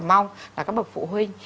mong là các bậc phụ huynh